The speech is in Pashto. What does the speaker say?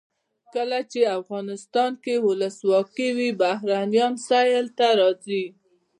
کله چې افغانستان کې ولسواکي وي بهرنیان سیل ته راځي.